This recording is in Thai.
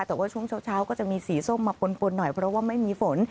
แต่ว่าช่วงเช้าก็จะมีสีส้มมาปนหน่อยเพราะว่าไม่มีฝน